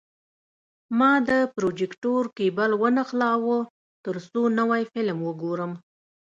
ما د پروجیکتور کیبل ونښلاوه، ترڅو نوی فلم وګورم.